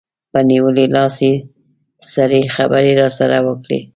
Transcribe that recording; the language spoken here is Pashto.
په نیولي لاس یې سړې خبرې راسره وکړې.